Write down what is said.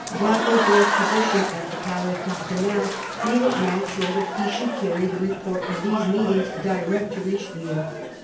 Boisrobert's position at the Palais Cardinal made it natural that he should carry the report of these meetings direct to Richelieu.